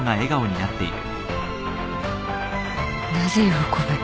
なぜ喜ぶ？